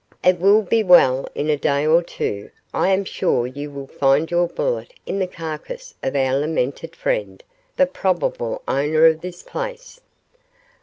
It will be well in a day or two, I am sure you will find your bullet in the carcass of our lamented friend, the probable owner of this place."